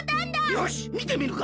よしみてみるか。